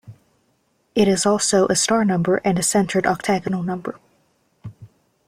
It is also a star number and a centered octagonal number.